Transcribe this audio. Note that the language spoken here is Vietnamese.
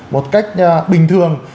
một cách bình thường